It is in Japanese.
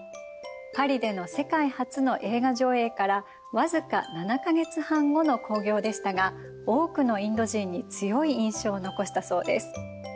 パリでの世界初の映画上映から僅か７か月半後の興行でしたが多くのインド人に強い印象を残したそうです。